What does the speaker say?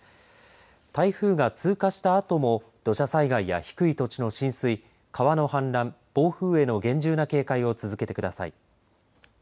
台風が通過したあとも土砂災害や低い土地の浸水川の氾濫、暴風への厳重な警戒を続けてください。